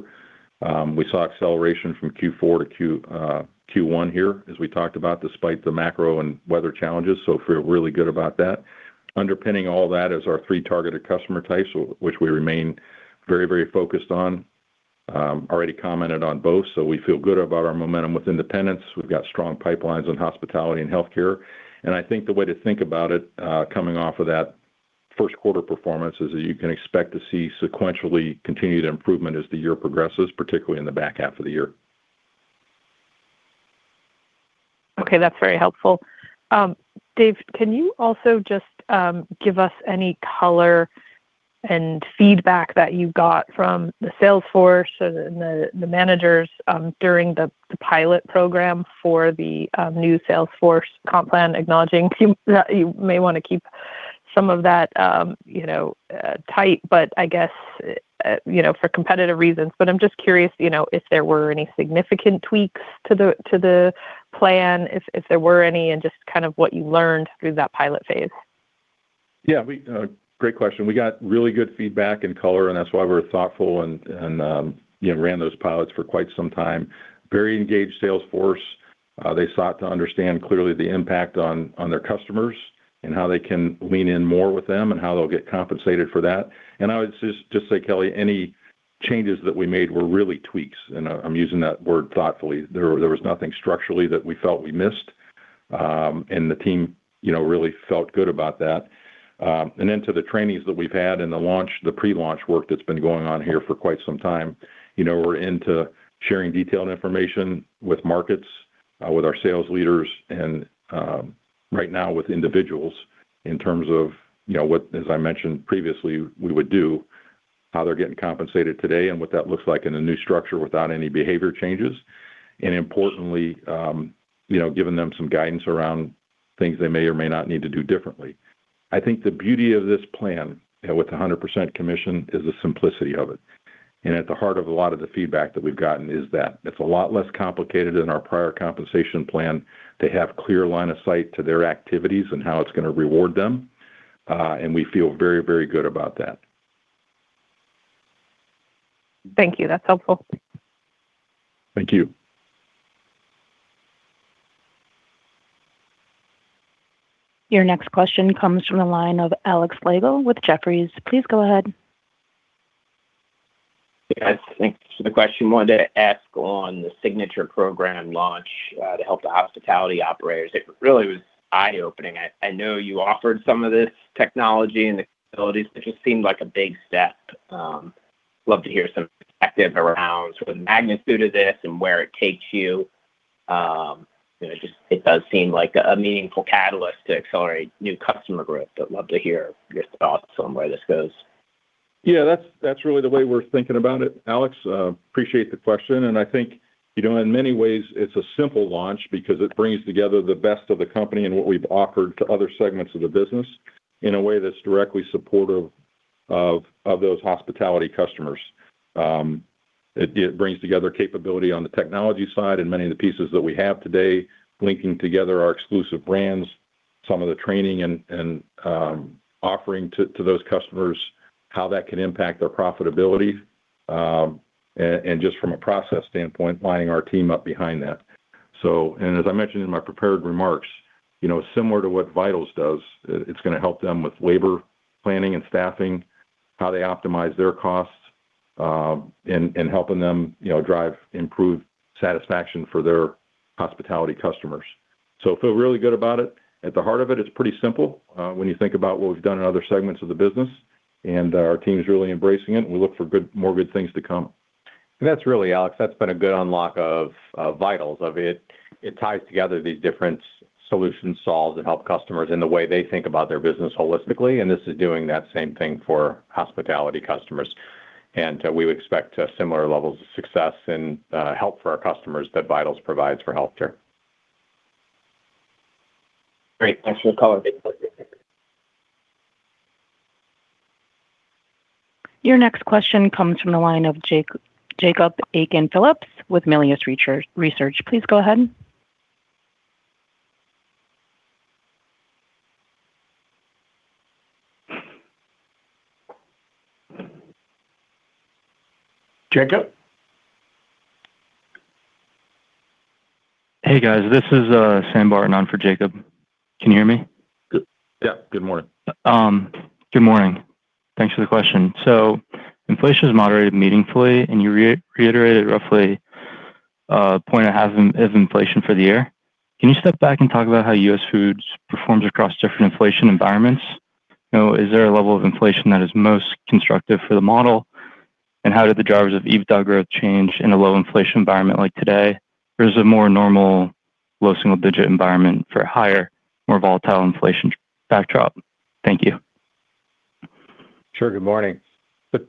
We saw acceleration from Q4 to Q1 here as we talked about, despite the macro and weather challenges. Feel really good about that. Underpinning all that is our three targeted customer types, which we remain very focused on. Already commented on both, we feel good about our momentum with independents. We've got strong pipelines in hospitality and healthcare. I think the way to think about it, coming off of that 1st quarter performance is that you can expect to see sequentially continued improvement as the year progresses, particularly in the back half of the year. Okay, that's very helpful. Dave, can you also just give us any color and feedback that you got from the sales force and the managers during the pilot program for the new sales force comp plan? Acknowledging you may wanna keep some of that, you know, tight, but I guess, you know, for competitive reasons. I'm just curious, you know, if there were any significant tweaks to the plan, if there were any, and just kind of what you learned through that pilot phase. Yeah, we, great question. We got really good feedback and color, and that's why we're thoughtful and, you know, ran those pilots for quite some time. Very engaged sales force. They sought to understand clearly the impact on their customers and how they can lean in more with them and how they'll get compensated for that. I would just say, Kelly, any changes that we made were really tweaks, and I'm using that word thoughtfully. There was nothing structurally that we felt we missed. The team, you know, really felt good about that. Then to the trainees that we've had and the launch, the pre-launch work that's been going on here for quite some time, you know, we're into sharing detailed information with markets, with our sales leaders and right now with individuals in terms of, you know, what, as I mentioned previously, we would do, how they're getting compensated today and what that looks like in a new structure without any behavior changes and importantly, you know, giving them some guidance around things they may or may not need to do differently. I think the beauty of this plan with the 100% commission is the simplicity of it. At the heart of a lot of the feedback that we've gotten is that it's a lot less complicated than our prior compensation plan to have clear line of sight to their activities and how it's gonna reward them. We feel very, very good about that. Thank you. That is helpful. Thank you. Your next question comes from the line of Alex Slagle with Jefferies. Please go ahead. Yes, thanks. The question wanted to ask on the SIGNATURE program launch to help the hospitality operators. It really was eye-opening. I know you offered some of this technology and the capabilities, it just seemed like a big step. Love to hear some perspective around sort of magnitude of this and where it takes you. You know, just it does seem like a meaningful catalyst to accelerate new customer growth. I'd love to hear your thoughts on where this goes. That's really the way we're thinking about it, Alex. Appreciate the question. I think, you know, in many ways it's a simple launch because it brings together the best of the company and what we've offered to other segments of the business in a way that's directly supportive of those hospitality customers. It brings together capability on the technology side and many of the pieces that we have today linking together our exclusive brands, some of the training and offering to those customers how that can impact their profitability. Just from a process standpoint, lining our team up behind that. As I mentioned in my prepared remarks, you know, similar to what VITALS does, it's gonna help them with labor planning and staffing, how they optimize their costs, and helping them, you know, drive improved satisfaction for their hospitality customers. Feel really good about it. At the heart of it's pretty simple, when you think about what we've done in other segments of the business, and our team's really embracing it, and we look for more good things to come. That's really all set that's been a good unlock of VITALS of it. It ties together these different solutions solved that help customers in the way they think about their business holistically. This is doing that same thing for hospitality customers. We would expect similar levels of success and help for our customers that VITALS provides for healthcare. Great. Thanks for the color. Your next question comes from the line of Jacob Aiken-Phillips with Melius Research. Please go ahead. Jacob? Hey guys, this is Sam Barton on for Jacob. Can you hear me? Good. Yeah. Good morning. Good morning. Thanks for the question. Inflation's moderated meaningfully, and you re-reiterated roughly, point it has in inflation for the year. Can you step back and talk about how US Foods performs across different inflation environments? You know, is there a level of inflation that is most constructive for the model? How do the drivers of EBITDA growth change in a low inflation environment like today versus a more normal low single digit environment for higher, more volatile inflation backdrop? Thank you. Sure, good morning.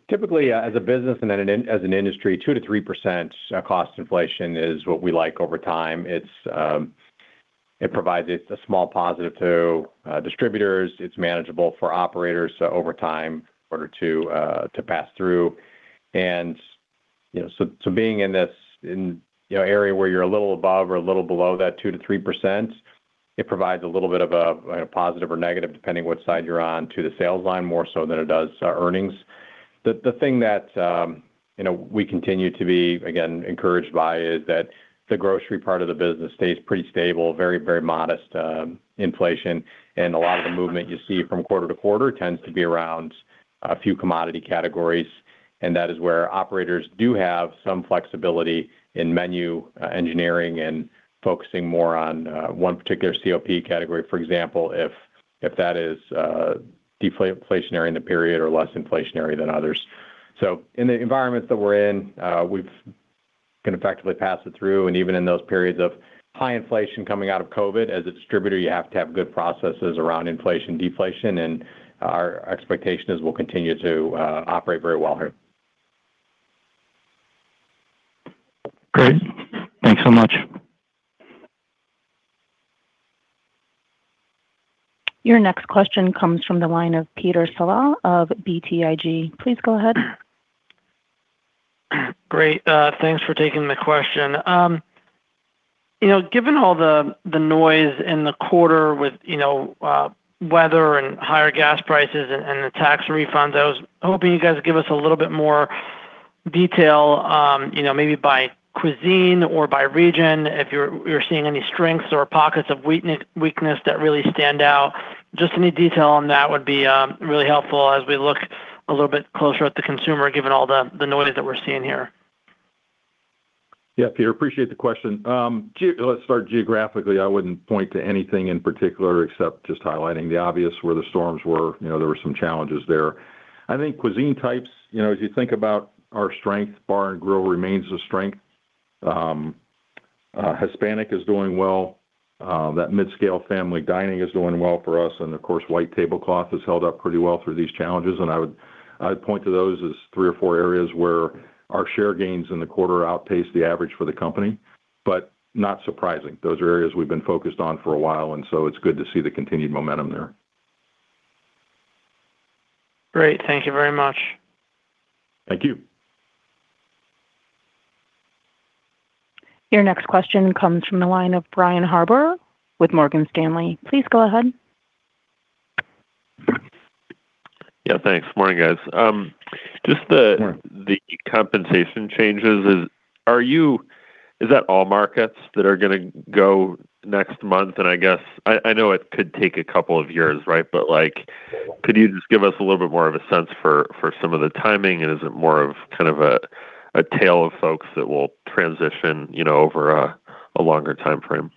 Typically, as a business and as an industry, 2%-3% cost inflation is what we like over time. It provides it a small positive to distributors. It's manageable for operators over time in order to pass through. You know, so being in this, you know, area where you're a little above or a little below that 2%-3%, it provides a little bit of a positive or negative, depending what side you're on to the sales line, more so than it does our earnings. The thing that, you know, we continue to be, again, encouraged by is that the grocery part of the business stays pretty stable, very modest inflation. A lot of the movement you see from quarter to quarter tends to be around a few commodity categories, and that is where operators do have some flexibility in menu engineering and focusing more on one particular COP category, for example, if that is deflationary in the period or less inflationary than others. In the environment that we're in, can effectively pass it through. Even in those periods of high inflation coming out of COVID, as a distributor, you have to have good processes around inflation, deflation, and our expectation is we'll continue to operate very well here. Great. Thanks so much. Your next question comes from the line of Peter Saleh of BTIG. Please go ahead. Great. Thanks for taking the question. You know, given all the noise in the quarter with, you know, weather and higher gas prices and the tax refunds, I was hoping you guys could give us a little bit more detail, you know, maybe by cuisine or by region, if you're seeing any strengths or pockets of weakness that really stand out. Just any detail on that would be really helpful as we look a little bit closer at the consumer, given all the noise that we're seeing here. Yeah, Peter, appreciate the question. Let's start geographically. I wouldn't point to anything in particular except just highlighting the obvious where the storms were. You know, there were some challenges there. I think cuisine types, you know, as you think about our strength, bar and grill remains a strength. Hispanic is doing well. That mid-scale family dining is doing well for us. Of course, white tablecloth has held up pretty well through these challenges. I would point to those as three or four areas where our share gains in the quarter outpace the average for the company, but not surprising. Those are areas we've been focused on for a while, it's good to see the continued momentum there. Great. Thank you very much. Thank you. Your next question comes from the line of Brian Harbour with Morgan Stanley. Please go ahead. Yeah, thanks. Morning, guys. Yeah the compensation changes, is that all markets that are gonna go next month? I know it could take a couple of years, right? like, could you just give us a little bit more of a sense for some of the timing? is it more of kind of a tale of folks that will transition, you know, over a longer timeframe?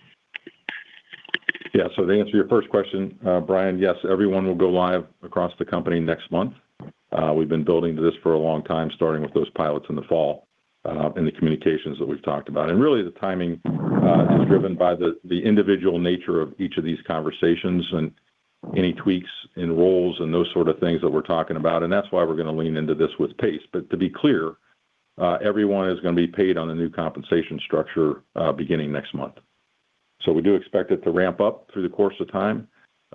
To answer your first question, Brian, yes, everyone will go live across the company next month. We've been building to this for a long time, starting with those pilots in the fall, and the communications that we've talked about. Really the timing is driven by the individual nature of each of these conversations and any tweaks in roles and those sort of things that we're talking about. That's why we're gonna lean into this with pace. To be clear, everyone is gonna be paid on the new compensation structure beginning next month. We do expect it to ramp up through the course of time.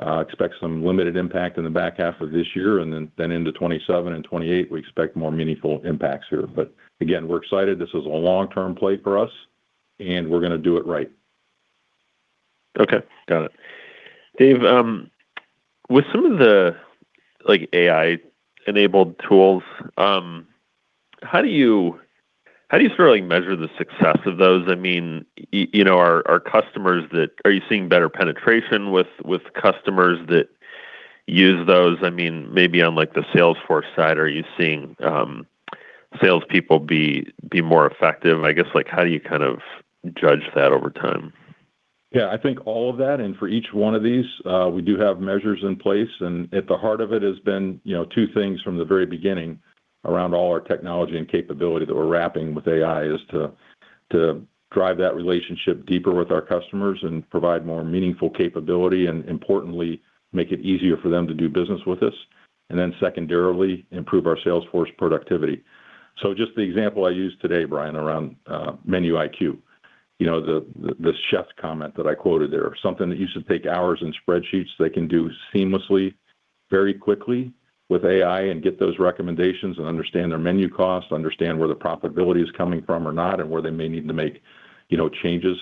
Expect some limited impact in the back half of this year. Then into 2027 and 2028, we expect more meaningful impacts here. Again, we're excited. This is a long-term play for us, and we're gonna do it right. Okay, got it. Dave, with some of the, like, AI-enabled tools, how do you sort of, like, measure the success of those? I mean, you know, are you seeing better penetration with customers that use those? I mean, maybe on, like, the Salesforce side, are you seeing salespeople be more effective? I guess, like, how do you kind of judge that over time? Yeah, I think all of that, and for each one of these, we do have measures in place. At the heart of it has been, you know, two things from the very beginning around all our technology and capability that we're wrapping with AI is to drive that relationship deeper with our customers and provide more meaningful capability, and importantly, make it easier for them to do business with us. Secondarily, improve our sales force productivity. Just the example I used today, Brian, around MenuIQ. You know, this chef comment that I quoted there. Something that used to take hours in spreadsheets, they can do seamlessly, very quickly with AI and get those recommendations and understand their menu costs, understand where the profitability is coming from or not, and where they may need to make, you know, changes.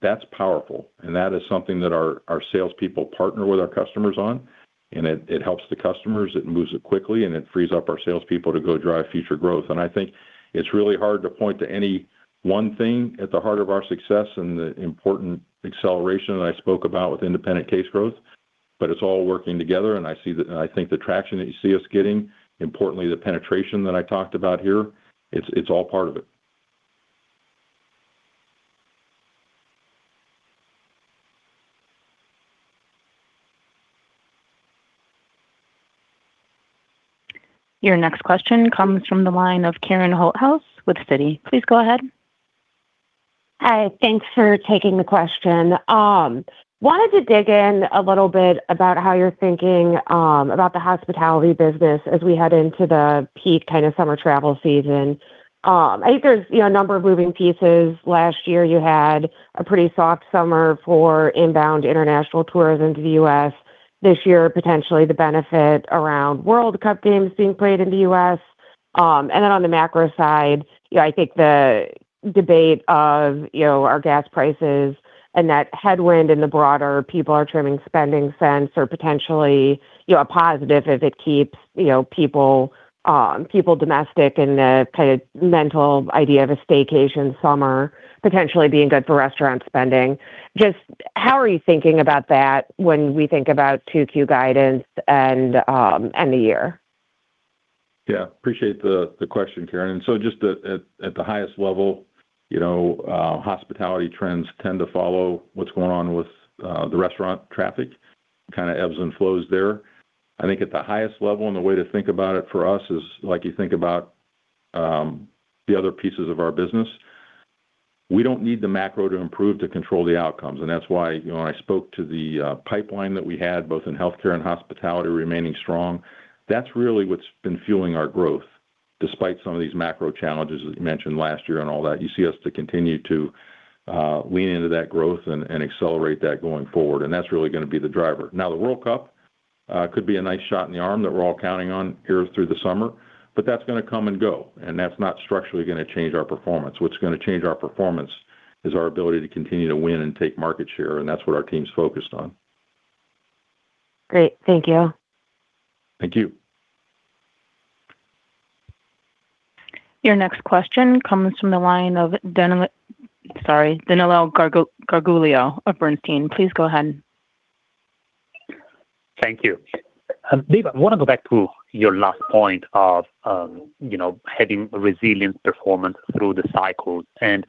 That's powerful. That is something that our salespeople partner with our customers on, it helps the customers, it moves it quickly, and it frees up our salespeople to go drive future growth. I think it's really hard to point to any one thing at the heart of our success and the important acceleration that I spoke about with independent case growth, but it's all working together. I see the I think the traction that you see us getting, importantly, the penetration that I talked about here, it's all part of it. Your next question comes from the line of Karen Holthouse with Citi. Please go ahead. Hi. Thanks for taking the question. Wanted to dig in a little bit about how you're thinking about the hospitality business as we head into the peak kind of summer travel season. I think there's, you know, a number of moving pieces. Last year, you had a pretty soft summer for inbound international tourism to the U.S. This year, potentially the benefit around World Cup games being played in the U.S. On the macro side, I think the debate of our gas prices and that headwind in the broader people are trimming spending, sense or potentially a positive if it keeps people domestic and the kind of mental idea of a staycation summer potentially being good for restaurant spending. Just how are you thinking about that when we think about 2Q guidance and the year? Yeah. Appreciate the question, Karen. Just at the highest level, you know, hospitality trends tend to follow what's going on with the restaurant traffic, kinda ebbs and flows there. I think at the highest level and the way to think about it for us is like you think about the other pieces of our business. We don't need the macro to improve to control the outcomes, and that's why, you know, when I spoke to the pipeline that we had both in healthcare and hospitality remaining strong, that's really what's been fueling our growth despite some of these macro challenges, as you mentioned last year and all that. You see us to continue to lean into that growth and accelerate that going forward, and that's really gonna be the driver. Now, the World Cup, could be a nice shot in the arm that we're all counting on here through the summer, but that's gonna come and go, and that's not structurally gonna change our performance. What's gonna change our performance is our ability to continue to win and take market share, and that's what our team's focused on. Great. Thank you. Thank you. Your next question comes from the line of Danilo Gargiulo of Bernstein. Please go ahead. Thank you. Dave, I wanna go back to your last point of, you know, having resilient performance through the cycles. As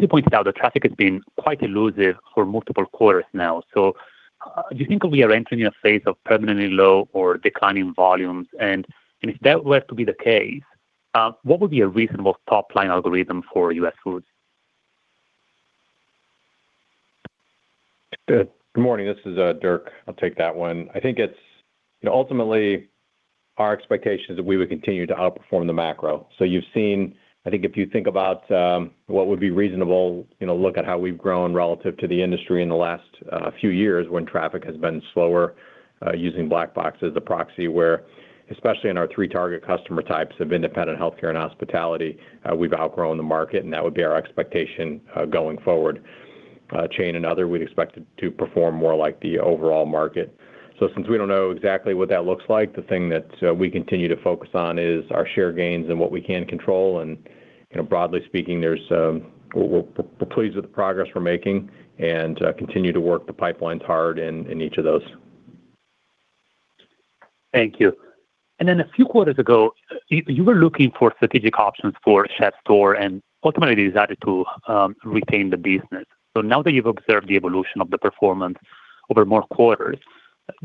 you pointed out, the traffic has been quite elusive for multiple quarters now. Do you think we are entering a phase of permanently low or declining volumes? If that were to be the case, what would be a reasonable top-line algorithm for US Foods? Good morning. This is Dirk. I'll take that one. I think it's, you know, ultimately our expectation is that we would continue to outperform the macro. I think if you think about what would be reasonable, you know, look at how we've grown relative to the industry in the last few years when traffic has been slower, using Black Box as a proxy where, especially in our three target customer types of independent healthcare and hospitality, we've outgrown the market, and that would be our expectation going forward. Chain and other, we'd expect it to perform more like the overall market. Since we don't know exactly what that looks like, the thing that we continue to focus on is our share gains and what we can control. You know, broadly speaking, there's, we're pleased with the progress we're making and continue to work the pipelines hard in each of those. Thank you. Then a few quarters ago, you were looking for strategic options for CHEF'STORE and ultimately decided to retain the business. Now that you've observed the evolution of the performance over more quarters,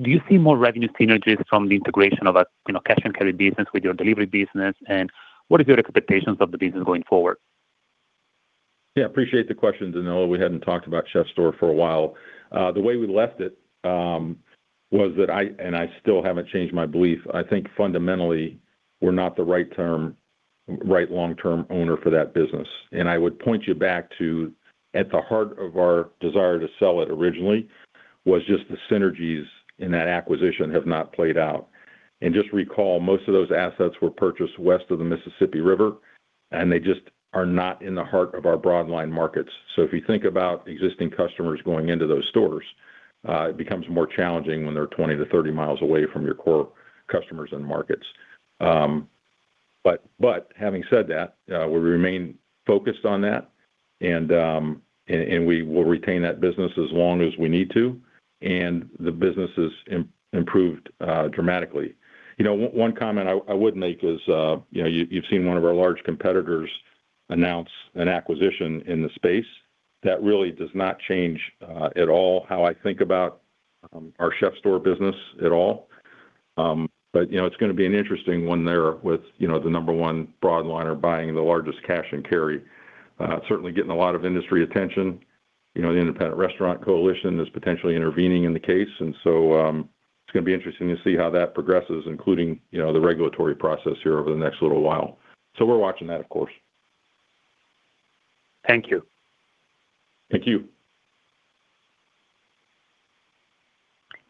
do you see more revenue synergies from the integration of a, you know, cash-and-carry business with your delivery business, and what is your expectations of the business going forward? Appreciate the question, Danilo. We hadn't talked about CHEF'STORE for a while. The way we left it, and I still haven't changed my belief. I think fundamentally we're not the right long-term owner for that business. I would point you back to, at the heart of our desire to sell it originally was just the synergies in that acquisition have not played out. Just recall, most of those assets were purchased west of the Mississippi River, and they just are not in the heart of our broad line markets. If you think about existing customers going into those stores, it becomes more challenging when they're 20-30 miles away from your core customers and markets. But having said that, we remain focused on that and we will retain that business as long as we need to, and the business has improved dramatically. You know, one comment I would make is, you know, you've seen one of our large competitors announce an acquisition in the space. That really does not change at all how I think about our CHEF'STORE business at all. But, you know, it's gonna be an interesting one there with, you know, the number one broad liner buying the largest cash and carry. Certainly getting a lot of industry attention. You know, the Independent Restaurant Coalition is potentially intervening in the case. It's gonna be interesting to see how that progresses, including, you know, the regulatory process here over the next little while. We're watching that, of course. Thank you. Thank you.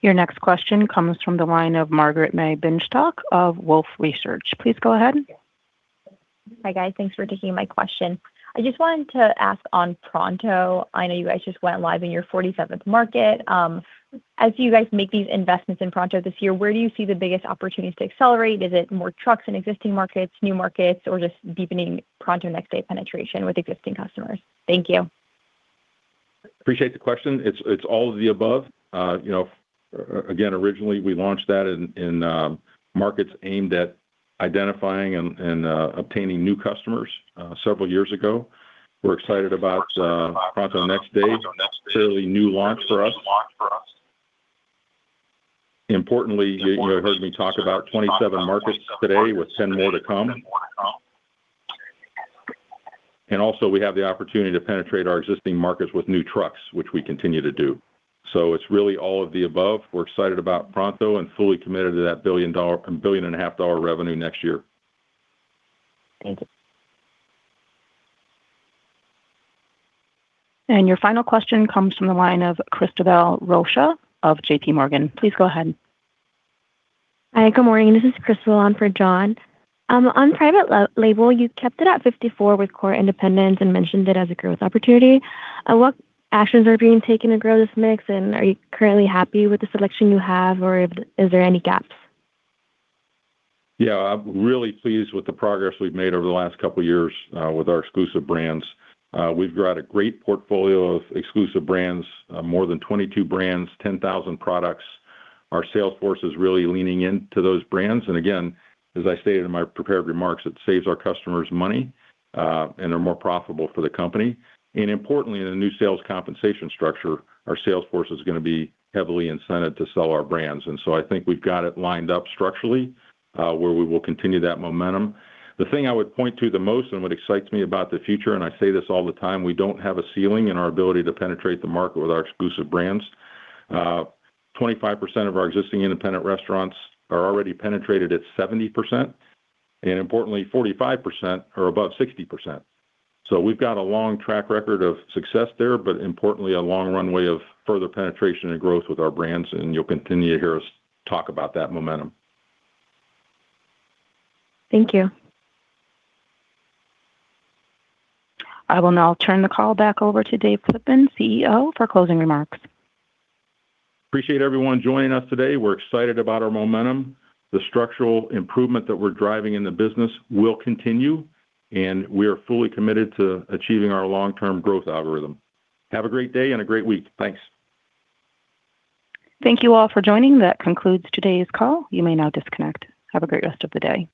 Your next question comes from the line of Margaret-May Binshtok of Wolfe Research. Please go ahead. Hi, guys. Thanks for taking my question. I just wanted to ask on Pronto. I know you guys just went live in your 47th market. As you guys make these investments in Pronto this year, where do you see the biggest opportunities to accelerate? Is it more trucks in existing markets, new markets, or just deepening Pronto Next Day penetration with existing customers? Thank you. Appreciate the question. It's all of the above. You know, again, originally, we launched that in markets aimed at identifying and obtaining new customers several years ago. We're excited about Pronto Next Day. It's a fairly new launch for us. Importantly, you heard me talk about 27 markets today with 10 more to come. Also, we have the opportunity to penetrate our existing markets with new trucks, which we continue to do. It's really all of the above. We're excited about Pronto and fully committed to that billion and a half dollar revenue next year. Thank you. Your final question comes from the line of Christabel Rocha of J.P. Morgan. Please go ahead. Hi, good morning. This is Christabel on for John. On private label, you kept it at 54 with core independents and mentioned it as a growth opportunity. What actions are being taken to grow this mix, and are you currently happy with the selection you have, or is there any gaps? Yeah. I'm really pleased with the progress we've made over the last couple years with our exclusive brands. We've got a great portfolio of exclusive brands, more than 22 brands, 10,000 products. Our sales force is really leaning into those brands. Again, as I stated in my prepared remarks, it saves our customers money, and they're more profitable for the company. Importantly, in a new sales compensation structure, our sales force is gonna be heavily incented to sell our brands. I think we've got it lined up structurally, where we will continue that momentum. The thing I would point to the most and what excites me about the future, and I say this all the time, we don't have a ceiling in our ability to penetrate the market with our exclusive brands. 25% of our existing independent restaurants are already penetrated at 70%, and importantly, 45% are above 60%. We've got a long track record of success there, but importantly, a long runway of further penetration and growth with our brands, and you'll continue to hear us talk about that momentum. Thank you. I will now turn the call back over to Dave Flitman, CEO, for closing remarks. Appreciate everyone joining us today. We're excited about our momentum. The structural improvement that we're driving in the business will continue, and we are fully committed to achieving our long-term growth algorithm. Have a great day and a great week. Thanks. Thank you all for joining. That concludes today's call. You may now disconnect. Have a great rest of the day.